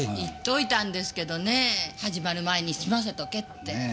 言っといたんですけどねぇ始まる前に済ませとけって。